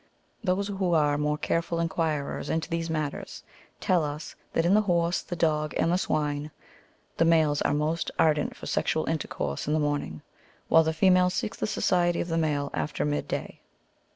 Those who are more careful enquirers into these matters, tell us that in the horse, the dog, and the swine, the males are most ardent for sexual intercourse in the morning, while the female seeks the society of the male after mid day.